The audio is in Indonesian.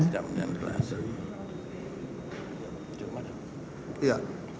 saya tidak mindahin gelas